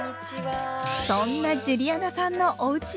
そんなジュリアナさんのおうちに伺いました。